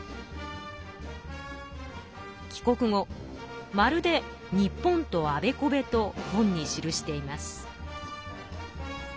帰国後「まるで日本とアベコベ」と本に記しています。